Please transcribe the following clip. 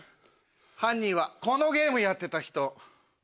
犯人はこのゲームやってた人。